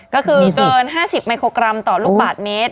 ก็คือเกิน๕๐มิโครกรัมต่อลูกบาทเมตร